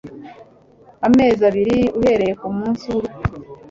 amezi abiri uhereye ku munsi w'urupfu